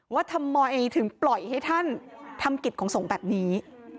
ว่าทำไมถึงปล่อยให้ท่านทำกิจของสงฆ์แบบนี้